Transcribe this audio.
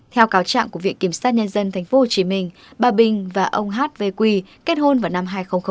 theo cáo trạng của viện kiểm soát nhân dân tp hcm bà bình và ông h v q kết hôn vào năm hai nghìn một